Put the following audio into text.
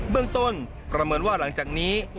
เรื่องต้นประเมินว่าหลังจากนี้